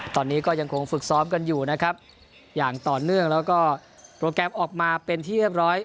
ตอนนี้ก็ยังคงฝึกซ้อมกันอยู่นะครับอย่างต่อเนื่องแล้วก็โปรแกรมออกมาเป็นที่เรียบร้อย